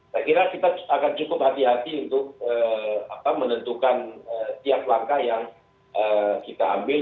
saya kira kita akan cukup hati hati untuk menentukan tiap langkah yang kita ambil